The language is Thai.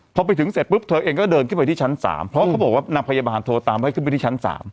พอไปถึงเสร็จปุ๊บเธอเองก็เดินขึ้นไปที่ชั้น๓เพราะเขาบอกว่านางพยาบาลโทรตามให้ขึ้นไปที่ชั้น๓